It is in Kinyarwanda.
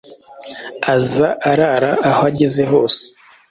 aza arara aho ageze hose;